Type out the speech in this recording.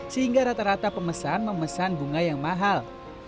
sehingga rata rata pemesan memesan bunga yang mahal